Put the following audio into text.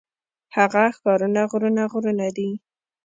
هغه ښارونه غرونه غرونه دي.